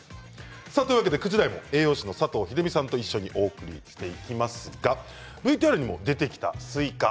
９時台も栄養士の佐藤秀美さんとお伝えしていきますがＶＴＲにも出てきたスイカ